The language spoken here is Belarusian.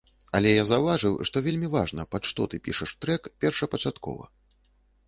Але я заўважыў, што вельмі важна, пад што ты пішаш трэк першапачаткова.